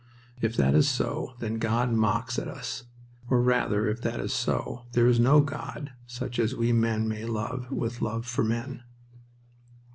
If that is so, then God mocks at us. Or, rather, if that is so, there is no God such as we men may love, with love for men.